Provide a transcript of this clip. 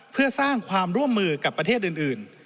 เพื่อสร้างความร่วมมือกับประเทศอื่น